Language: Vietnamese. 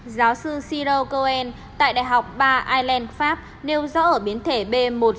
giáo sư cyril cohen tại đại học ba ireland pháp nêu rõ ở biến thể b một sáu trăm bốn mươi